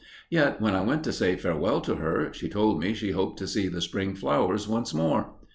Yet, when I went to say farewell to her, she told me she hoped to see the spring flowers once more.